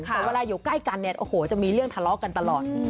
แต่เวลาอยู่ใกล้กันจะมีเรื่องทะเลาะกันตลอด